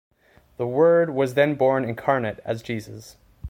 The Word was then born incarnate as Jesus.